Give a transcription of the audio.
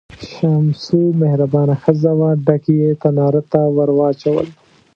شمشو مهربانه ښځه وه، ډکي یې تنار ته ور واچول.